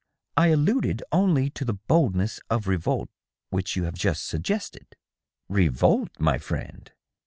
" I alluded only to the boldness of revolt which you have just suggested." "Revolt, my friend.